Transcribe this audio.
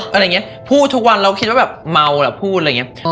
อะไรอย่างนี้พูดทุกวันเราคิดว่าแบบเมาแหละพูดอะไรอย่างนี้